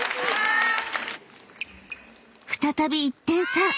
［再び１点差］